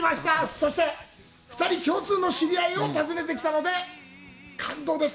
そして、２人共通の知り合いを訪ねてきたので、感動です。